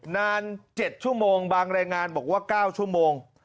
นาน๗ชั่วโมงบางรายงานบอกว่า๙ชั่วโมง